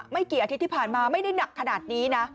ไม่กี่อาทิตย์ที่ผ่านมาไม่ได้หนักขนาดนี้นะ